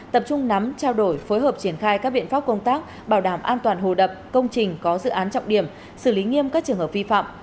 tập trung nắm trao đổi phối hợp triển khai các biện pháp công tác bảo đảm an toàn hồ đập công trình có dự án trọng điểm xử lý nghiêm các trường hợp vi phạm